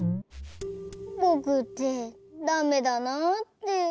ぼくってダメだなあって。